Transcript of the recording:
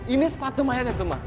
ini sepatu mayatnya tuh mbak